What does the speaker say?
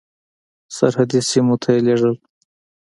سرحدي سیمو ته یې لېږل.